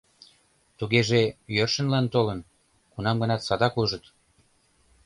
Тугеже, йӧршынлан толын, кунам-гынат садак ужыт.